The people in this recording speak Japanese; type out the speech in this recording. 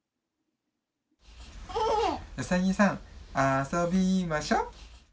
ウサギさん、遊びましょ。